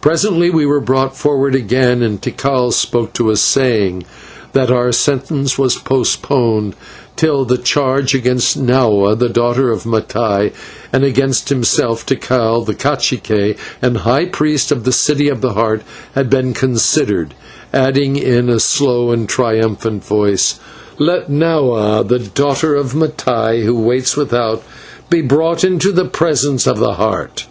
Presently we were brought forward again, and Tikal spoke to us, saying that our sentence was postponed till the charge against Nahua, the daughter of Mattai, and against himself, Tikal, the /cacique/ and high priest of the City of the Heart, had been considered, adding in a slow and triumphant voice: "Let Nahua, the daughter of Mattai, who waits without, be brought into the presence of the Heart."